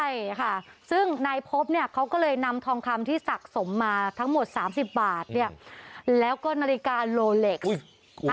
ใช่ซึ่งไนพบเขาเลยนำทองคำที่สักสมมาทั้งหมด๓๐บาทแล้วก็นาฬิกาโลเล็กซ์